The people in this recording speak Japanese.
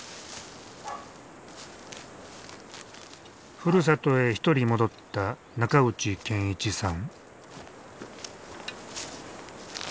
ふるさとへ一人戻った中内健一さん。